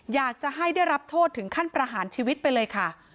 อยากจะให้ได้รับโทษถึงขั้นประหารชีวิตไปเลยค่ะ